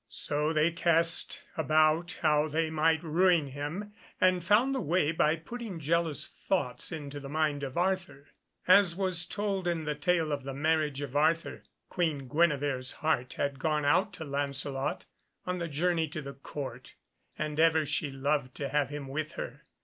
So they cast about how they might ruin him, and found the way by putting jealous thoughts into the mind of Arthur. As was told in the tale of the marriage of Arthur, Queen Guenevere's heart had gone out to Lancelot on the journey to the Court, and ever she loved to have him with her.